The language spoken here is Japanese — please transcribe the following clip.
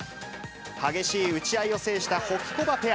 激しい打ち合いを制したホキコバペア。